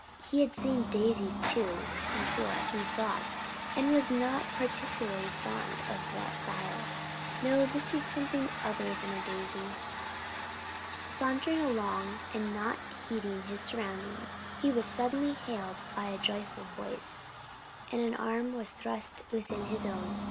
He had seen daisies too before, he thought; and was not particularly fond of that style. No; this was something other than a daisy. Sauntering along and not heeding his surroundings, he was suddenly hailed by a joyful voice, and an arm was thrust within his own.